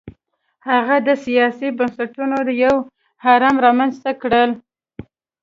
هغه د سیاسي بنسټونو یو هرم رامنځته کړل.